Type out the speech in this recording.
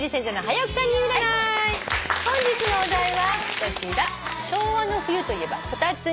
本日のお題はこちら。